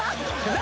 何？